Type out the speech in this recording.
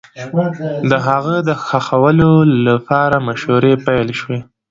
د هغه د ښخولو لپاره مشورې پيل سوې